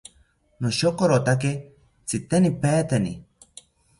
Noshokorotake tzitenipaeteni